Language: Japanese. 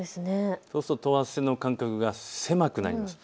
そうすると等圧線の間隔が狭くなります。